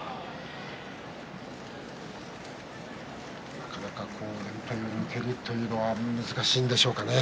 なかなか連敗を抜けるのは難しいんでしょうかね。